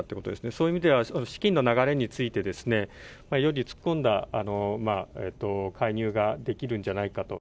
そういう意味では、資金の流れについて、よりつっこんだ介入ができるんじゃないかと。